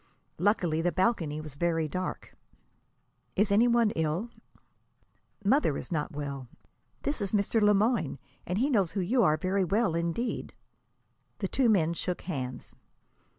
Luckily, the balcony was very dark. "Is any one ill?" "Mother is not well. This is Mr. Le Moyne, and he knows who you are very well, indeed." The two men shook hands.